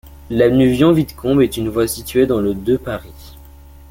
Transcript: L'avenue Vion-Whitcomb est une voie située dans le de Paris.